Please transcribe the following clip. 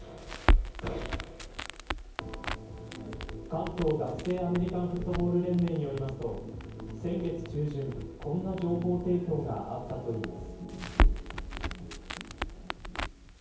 関東学生アメリカンフットボール連盟によりますと先月中旬こんな情報提供があったといいます。